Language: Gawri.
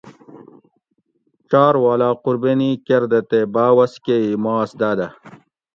چار والا قُربینی کر دہ تے باۤوس کہ ئ ماس داۤدہ